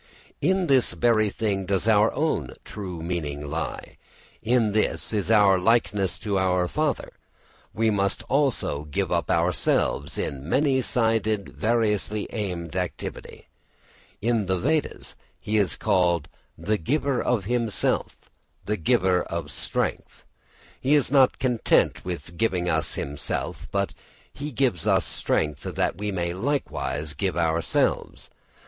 In this very thing does our own true meaning lie, in this is our likeness to our father. We must also give up ourselves in many sided variously aimed activity. In the Vedas he is called the giver of himself, the giver of strength. [Footnote: Ātmadā baladā.] He is not content with giving us himself, but he gives us strength that we may likewise give ourselves.